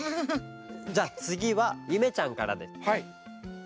じゃあつぎはゆめちゃんからです。